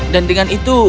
dan dengan itu